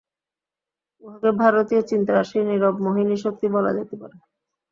উহাকে ভারতীয় চিন্তারাশির নীরব মোহিনীশক্তি বলা যাইতে পারে।